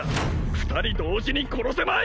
２人同時に殺せまい！